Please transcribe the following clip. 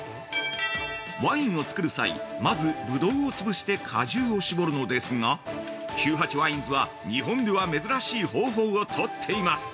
ワインをつくる際まず、ぶどうをつぶして果汁を搾るのですが９８ＷＩＮＥｓは日本では珍しい方法をとっています。